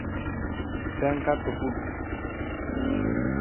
Ten catro puntos.